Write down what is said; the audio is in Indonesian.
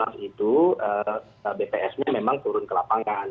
data susunan itu bps nya memang turun ke lapangan